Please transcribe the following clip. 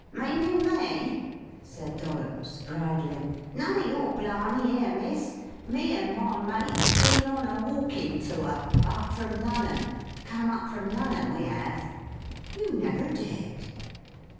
"Meaning me?" said Dollops, bridling. "None of yer blarney 'ere, miss! Me an' my mate's been on a walkin' tooer come up from Lunnon, we 'ave." "You never did!"